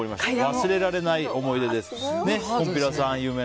忘れられない思い出です。